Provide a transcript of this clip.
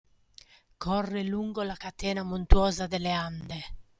Corre lungo la catena montuosa delle Ande.